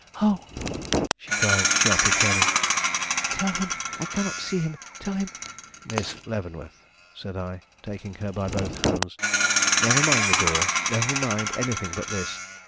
"Oh," she cried, sharply turning, "tell him I cannot see him; tell him " "Miss Leavenworth," said I, taking her by both hands, "never mind the door; never mind anything but this.